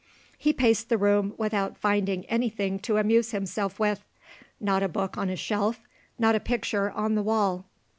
He paced the room without finding any thing to amuse himself with. Not a book on a shelf, nor a picture on the wall.